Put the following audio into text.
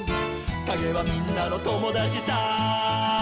「かげはみんなのともだちさ」